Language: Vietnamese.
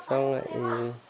xong rồi thì